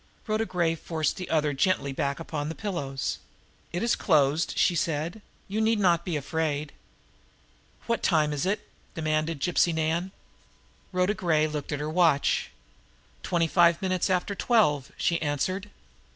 Rhoda Gray forced the other gently back upon the pillows. "It is closed," she said. "You need not be afraid." "What time is it?" demanded Gypsy Nan. Rhoda Gray looked at her watch. "Twenty five minutes after twelve," she answered.